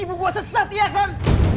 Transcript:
ibu itu masih punya suami yang sah